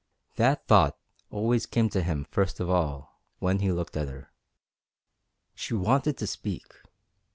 That thought always came to him first of all when he looked at her. She wanted to speak.